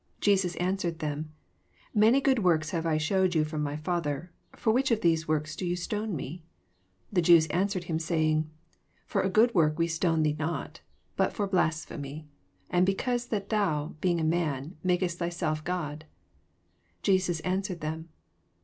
32 Jesas answered them, Many good works have I shewed yon from my Fa ther; for which of those works do ye stone me 7 . 33 The Jews answered him, saying, Vor a good work we stone thee not; bnt for blasphemy: and because that thou, being a man, makest thyself God. 34 Jesus answered them.